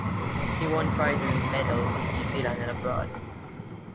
He won prizes and medals in New Zealand and abroad.